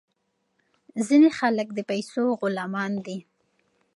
ځینې خلک د پیسو غلامان دي.